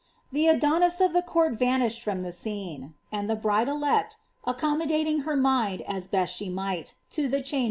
The Adonis of the court vanished from the scene, and the bride elect, accom modating her mind, as she best might, to the chan(;«: <»!'